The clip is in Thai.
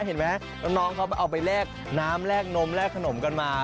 เห็นไหมน้องเขาเอาไปแลกน้ำแลกนมแลกขนมกันมา